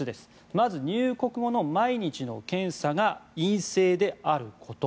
まず、入国後の毎日の検査が陰性であること。